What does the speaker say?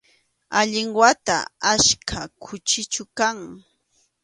Allin wata ackha kuhichu kan